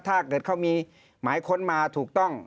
ถ้าเกิดเขามีหมายค้นมาถูกต้อง